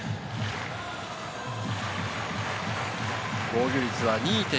防御率は２．２５。